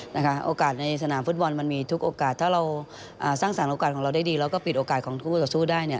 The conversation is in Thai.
โอกาสในสนามฟุตบอลมันมีทุกโอกาสถ้าเราสร้างสารโอกาสของเราได้ดีแล้วก็ปิดโอกาสของคู่ต่อสู้ได้เนี่ย